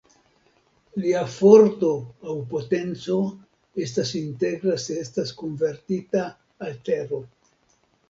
Lia forto aŭ potenco estas integra se estas konvertita al tero.